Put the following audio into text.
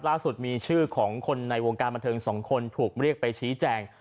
ล่าสุดมีชื่อของคนในวงการบันเทิง๒คนถูกเรียกไปชี้แจง